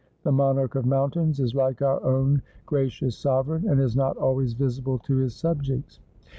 The monarch of mountains is like our own gra cious sovereign, and is not always visible to his subjects.'